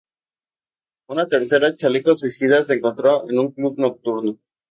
Una tercera chaleco suicida se encontró en un club nocturno.